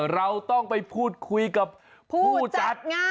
เราต้องไปพูดคุยกับผู้จัดงาน